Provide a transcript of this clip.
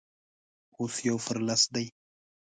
اوس يو پر لس دی.